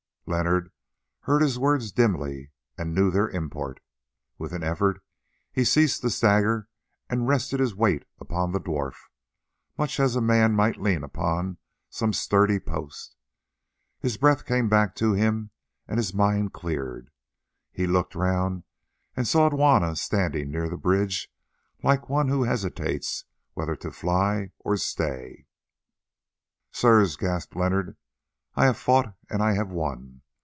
Leonard heard his words dimly and knew their import. With an effort he ceased to stagger and rested his weight upon the dwarf, much as a man might lean upon some sturdy post. His breath came back to him and his mind cleared. He looked round and saw Juanna standing near the bridge like one who hesitates whether to fly or stay. "Sirs," gasped Leonard, "I have fought and I have won.